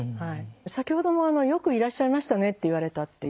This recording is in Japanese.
先ほども「よくいらっしゃいましたね」って言われたっていう。